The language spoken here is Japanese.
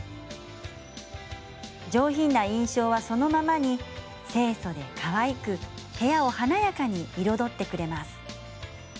上品な印象はそのままに清そでかわいく部屋を華やかに彩ってくれます。